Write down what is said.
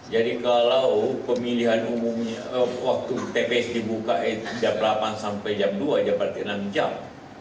jadi kalau pemilihan umumnya waktu tps dibuka jam delapan sampai jam dua jam berarti enam jam